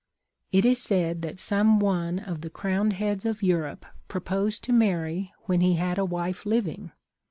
It is said that some one of the crowned heads of Europe proposed to marry when he had a wife living.